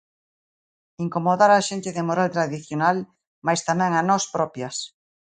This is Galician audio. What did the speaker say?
Incomodar a xente de moral tradicional mais tamén a nós propias.